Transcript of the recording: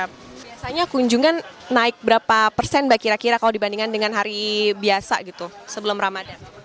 biasanya kunjungan naik berapa persen mbak kira kira kalau dibandingkan dengan hari biasa gitu sebelum ramadan